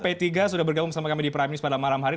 p tiga sudah bergabung bersama kami di prime news pada malam hari